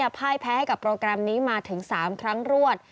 พ่ายแพ้ให้กับโปรแกรมนี้มาถึง๓ครั้งรวด